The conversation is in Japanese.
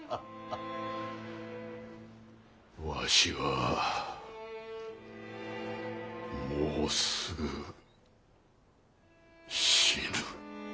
わしはもうすぐ死ぬ。